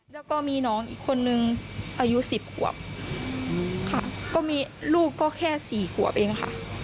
แล้วก็มีน้องอีกคนนึงอายุ๑๐ขวบค่ะก็มีลูกก็แค่สี่ขวบเองค่ะ